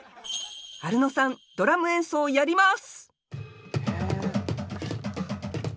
アルノさんドラム演奏やります！